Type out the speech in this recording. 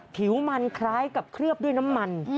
ผิวมันคล้ายกับเคลือบด้วยน้ำมัน